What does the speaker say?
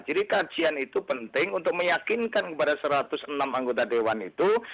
jadi kajian itu penting untuk meyakinkan kepada satu ratus enam anggota dewan itu